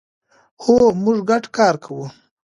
هو، موږ ګډ کار کوو